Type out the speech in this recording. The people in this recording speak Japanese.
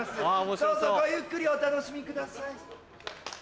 どうぞごゆっくりお楽しみください。